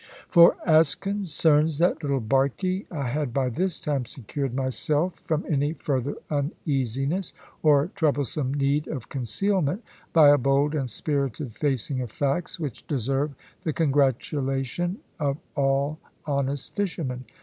For, as concerns that little barkie, I had by this time secured myself from any further uneasiness, or troublesome need of concealment, by a bold and spirited facing of facts, which deserve the congratulation of all honest fishermen.